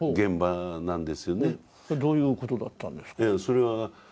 それはどういうことだったんですか。